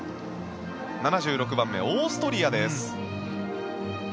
７６番目オーストリアです。